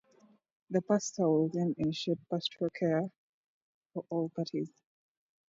The pastor will then initiate pastoral care for all parties